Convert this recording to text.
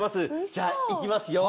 じゃあ行きますよ。